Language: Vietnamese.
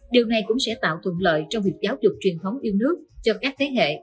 điều này cũng sẽ tạo thuận lợi trong việc giáo dục truyền thống yêu nước cho các thế hệ